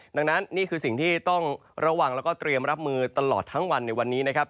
ดังนั้นนี่คือสิ่งที่ต้องระวังแล้วก็เตรียมรับมือตลอดทั้งวันในวันนี้นะครับ